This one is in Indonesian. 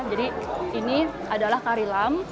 jadi ini adalah kari lam